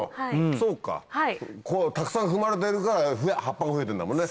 そうかたくさん踏まれてるから葉っぱが増えてるんだもんね。